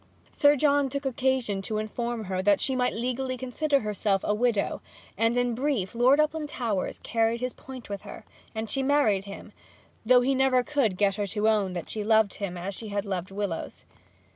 Sir John took occasion to inform her that she might legally consider herself a widow; and, in brief; Lord Uplandtowers carried his point with her, and she married him, though he could never get her to own that she loved him as she had loved Willowes.